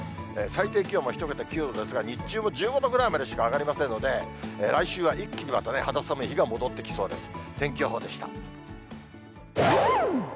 最低気温も１桁９度ですが、日中も１５度ぐらいまでしか上がりませんので、来週は一気にまた肌寒い日が戻ってきそうです。